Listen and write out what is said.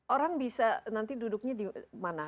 orang bisa nanti duduknya di mana